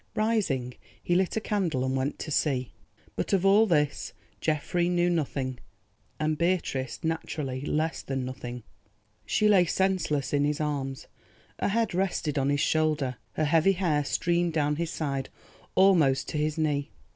Rising, he lit a candle and went to see. But of all this Geoffrey knew nothing, and Beatrice naturally less than nothing. She lay senseless in his arms, her head rested on his shoulder, her heavy hair streamed down his side almost to his knee.